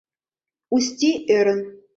Усти ӧрын.